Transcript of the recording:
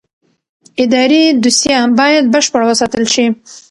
اداري دوسیه باید بشپړه وساتل شي.